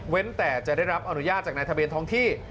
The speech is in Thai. แต่จะได้รับอนุญาตจากนายทะเบียนท้องที่